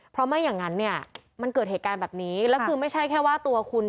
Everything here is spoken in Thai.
เพราะไม่อย่างนั้นเนี่ยมันเกิดเหตุการณ์แบบนี้แล้วคือไม่ใช่แค่ว่าตัวคุณ